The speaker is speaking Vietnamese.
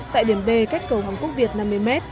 tại điểm b cách cầu hồng quốc việt năm mươi m